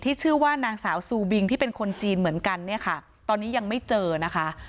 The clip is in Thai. ชื่อว่านางสาวซูบิงที่เป็นคนจีนเหมือนกันเนี่ยค่ะตอนนี้ยังไม่เจอนะคะ